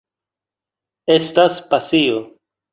Estas pasio.